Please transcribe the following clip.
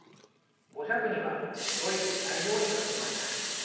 ５弱には届いていないように感じました。